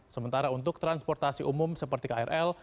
sementara untuk transportasi umum seperti krl